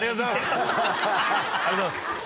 ありがとうございます。